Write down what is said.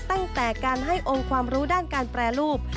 ตั้งแต่การให้องค์ความรู้ด้านการแปรรูป